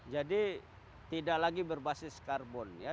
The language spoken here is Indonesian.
jadi tidak lagi berbasis karbon ya